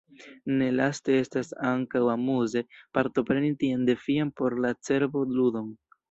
Nelaste estas ankaŭ amuze, partopreni tian defian por la cerbo ludon.